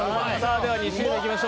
では、２周目いきましょう。